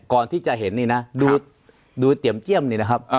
ก่อนที่จะเห็นนี่นะดูเตรียมเกี้ยมนี่นะครับ